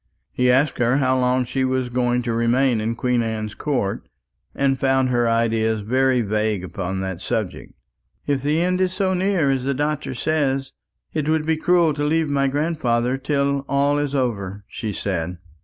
He asked her how long she was going to remain in Queen Anne's Court, and found her ideas very vague upon that subject. "If the end is so near as the doctor says, it would be cruel to leave my grandfather till all is over," she said.